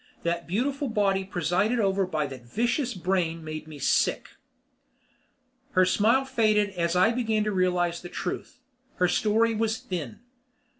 That beautiful body presided over by that vicious brain made me sick. Her smile faded as I began to realize the truth. Her story was thin.